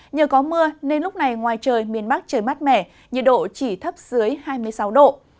nhờ có mưa nên lúc này ngoài trời miền bắc trời mát mẻ nhiệt độ chỉ thấp dưới hai mươi sáu độ